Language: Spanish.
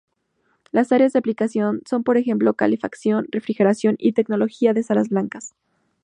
Las áreas de aplicación son por ejemplo calefacción, refrigeración y tecnología de salas blancas.